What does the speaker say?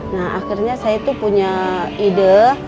nah akhirnya saya tuh punya ide